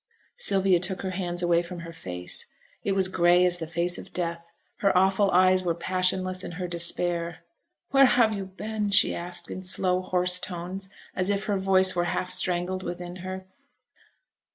Sylvia took her hands away from her face; it was gray as the face of death; her awful eyes were passionless in her despair. 'Where have yo' been?' she asked, in slow, hoarse tones, as if her voice were half strangled within her.